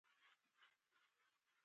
زما له عمر سره سمه